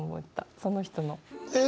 その人の。え！